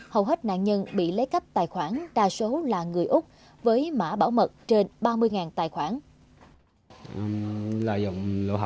hầu hết nạn nhân bị lấy cắp tài khoản đa số là người úc với mã bảo mật trên ba mươi tài khoản